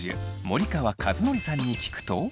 森川和則さんに聞くと。